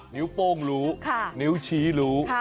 นิ้วโป้งรู้นิ้วชี้รู้